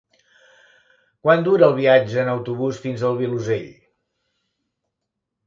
Quant dura el viatge en autobús fins al Vilosell?